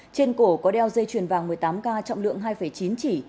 trên cổ có đeo dây chuyền vàng một mươi tám k trọng lượng hai chín chỉ